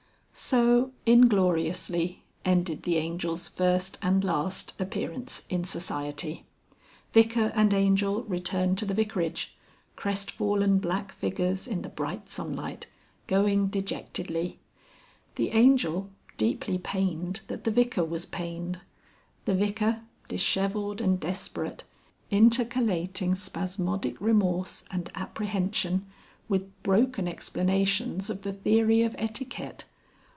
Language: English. XXXVIII. So, ingloriously, ended the Angel's first and last appearance in Society. Vicar and Angel returned to the Vicarage; crestfallen black figures in the bright sunlight, going dejectedly. The Angel, deeply pained that the Vicar was pained. The Vicar, dishevelled and desperate, intercalating spasmodic remorse and apprehension with broken explanations of the Theory of Etiquette.